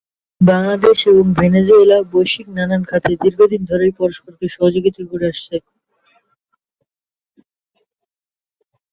বাংলাদেশ এবং ভেনেজুয়েলা বৈশ্বিক নানান খাতে দীর্ঘদিন ধরেই পরস্পরকে সহযোগিতা করে আসছে।